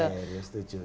menghemat air ya setuju